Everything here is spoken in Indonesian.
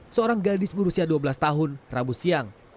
seorang gadis berusia dua belas tahun rabu siang